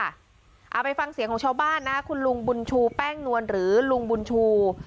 เอาไปฟังเสียงของชาวบ้านนะคุณลุงบุญชูแป้งนวลหรือลุงบุญชู